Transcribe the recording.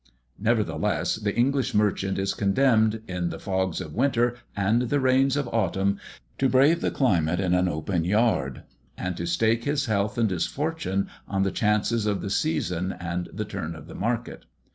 Nevertheless, the English merchant is condemned, in the fogs of winter and the rains of autumn, to brave the climate in an open yard, and to stake his health and his fortune on the chances of the season and the turn of the market.